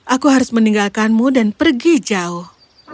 aku harus meninggalkanmu dan pergi jauh